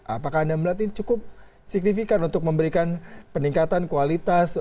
apakah anda melihat ini cukup signifikan untuk memberikan peningkatan kualitas